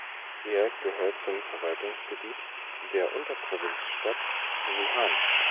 Er gehört zum Verwaltungsgebiet der Unterprovinzstadt Wuhan.